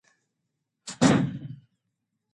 ازادي راډیو د ټولنیز بدلون په اړه د پېښو رپوټونه ورکړي.